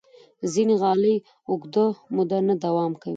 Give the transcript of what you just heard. ځینې غالۍ اوږده موده نه دوام کوي.